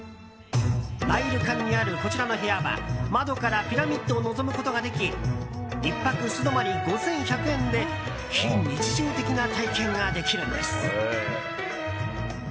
こちらの部屋は窓からピラミッドを望むことができ１泊素泊まり５１００円で非日常的な体験ができるんです。